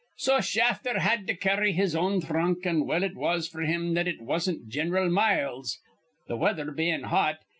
"So Shafter had to carry his own thrunk; an' well it was f'r him that it wasn't Gin'ral Miles', the weather bein' hot.